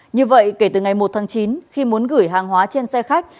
như vậy kể từ ngày một tháng chín khi muốn gửi hàng hóa trên xe khách